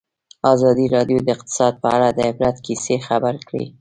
ازادي راډیو د اقتصاد په اړه د عبرت کیسې خبر کړي.